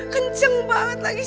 kenceng banget lagi